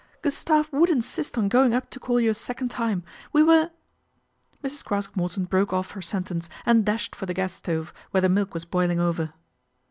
" Gustave would insist on going up to call you a second time. We were " Mrs. Craske Morton broke off her sentence and dashed for the gas stove, where the milk was boiling over.